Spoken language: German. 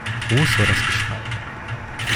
Groß war das Geschrei.